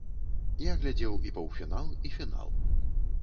Я глядзеў і паўфінал, і фінал.